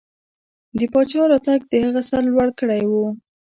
د پاچا راتګ د هغه سر لوړ کړی و.